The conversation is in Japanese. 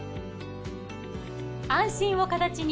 安心を形に。